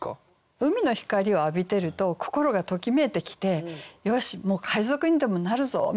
海の光を浴びてると心がときめいてきて「よし！もう海賊にでもなるぞ！」みたいな感じ。